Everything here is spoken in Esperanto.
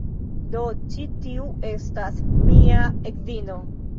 Do, ĉi tiu estas mia edzino.